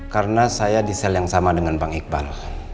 karena saya di sel yang sama dengan pak iqbal